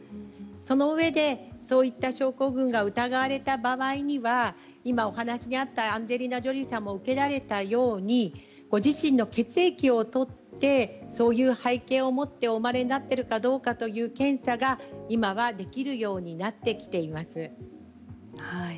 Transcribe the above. そのうえで、そういった症候群が疑われた場合には今お話にあったアンジェリーナ・ジョリーさんも受けられたようにご自身の血液を採ってそういう背景を持ってお生まれになっているかどうかという検査が今はできるようになってきています。